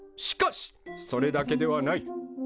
しかしそれだけではない。